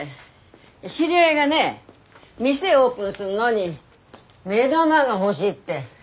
知り合いがね店をオープンすんのに目玉が欲しいって。